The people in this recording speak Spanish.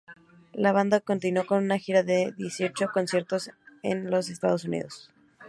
La banda continuó con una gira de dieciocho conciertos en los Estados Unidos.